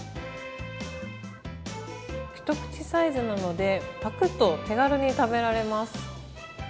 一口サイズなので、ぱくっと手軽に食べられます。